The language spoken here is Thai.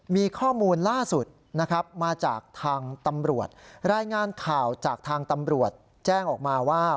มีข้อมูลล่าสุดนะครับมาจากทางตำรวจรายงานข่าวจากทางตำรวจแจ้งออกมาว่า